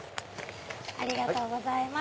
ありがとうございます。